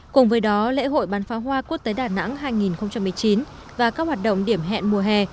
cùng với đó lễ hội bán pháo hoa quốc tế đà nẵng hai nghìn một mươi chín và các hoạt động điểm hẹn mùa hè